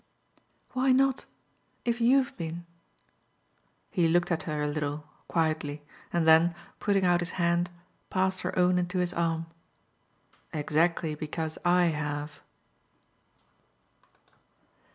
"Why not if YOU'VE been?" He looked at her a little, quietly, and then, putting out his hand, passed her own into his arm. "Exactly because I have."